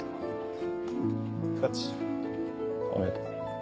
深町おめでとう。